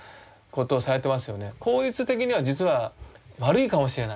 効率的には実は悪いかもしれない。